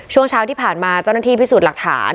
ช่วงเช้าที่ผ่านมาเจ้าหน้าที่พิสูจน์หลักฐาน